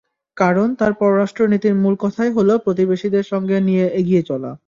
কারণ, তাঁর পররাষ্ট্রনীতির মূল কথাই হলো প্রতিবেশীদের সঙ্গে নিয়ে এগিয়ে চলা।